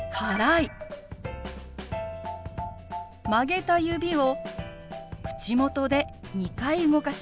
曲げた指を口元で２回動かします。